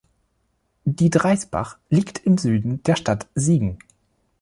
Die Dreisbach liegt im Süden der Stadt Siegen.